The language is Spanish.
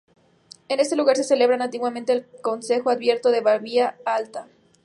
En este lugar se celebraba antiguamente el concejo abierto de Babia Alta.